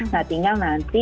nah tinggal nanti